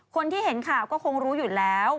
คนที่เห็นข่าวก็คงรู้อยู่แล้ว